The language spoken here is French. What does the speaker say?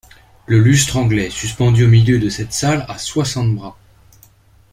Le lustre anglais suspendu au milieu de cette salle a soixante bras.